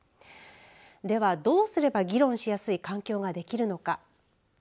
では、どうすれば議論しやすい環境ができるのか。